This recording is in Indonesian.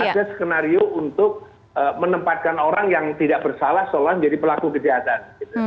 ada skenario untuk menempatkan orang yang tidak bersalah seolah menjadi pelaku kejahatan